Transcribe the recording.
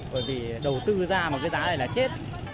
bởi vì đầu tư ra một cái giá này là chết